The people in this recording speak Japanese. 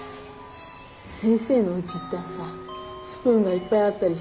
先生のうち行ったらさスプーンがいっぱいあったりして。